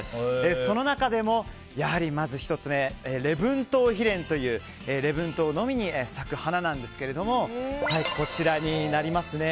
その中でもまず１つ目レブントウヒレンという礼文島のみに咲く花なんですがこちらになります。